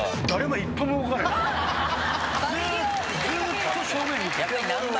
ずっと正面見てる。